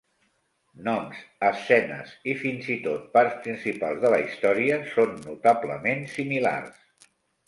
Noms, escenes i fins i tot parts principals de la història són notablement similars.